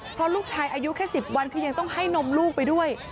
เพราะลูกชายอายุแค่๑๐วันคือยังต้องให้นมลูกไปด้วย